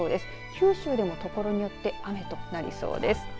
九州でも所によって雨となりそうです。